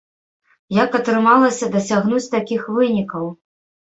Як атрымалася дасягнуць такіх вынікаў?